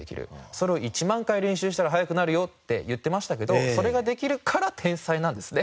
「それを１万回練習したら速くなるよ」って言ってましたけどそれができるから天才なんですね。